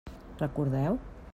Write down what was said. Recordeu?